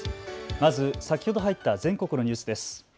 まず先ほど入った全国のニュースです。